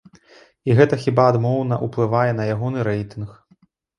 І гэта хіба адмоўна ўплывае на ягоны рэйтынг.